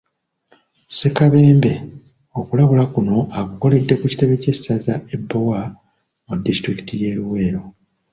Ssekabembe okulabula kuno akukoledde ku kitebe ky'essaza e Bbowa mu disitulikiti y'e Luweero